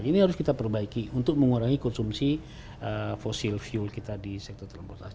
ini harus kita perbaiki untuk mengurangi konsumsi fosil fuel kita di sektor transportasi